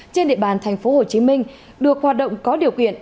trên địa bàn thành phố hồ chí minh được hoạt động có điều kiện